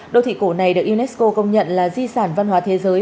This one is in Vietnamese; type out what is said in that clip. đô thị cổ này được unesco công nhận là di sản văn hóa thế giới